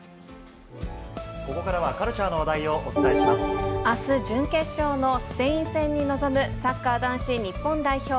ここからはカルチャーの話題あす、準決勝のスペイン戦に臨むサッカー男子日本代表。